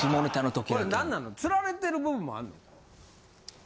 これなんなのつられてる部分もあんの？